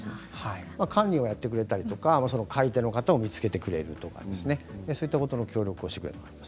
管理をやってくれたり買い手を見つけてくれる、そういったことに協力をしてくれます。